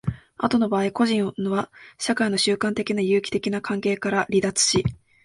後の場合、個人は社会の習慣的な有機的な関係から乖離し、